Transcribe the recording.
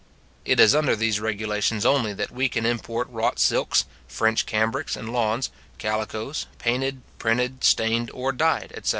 It is under these regulations only that we can import wrought silks, French cambrics and lawns, calicoes, painted, printed, stained, or dyed, etc.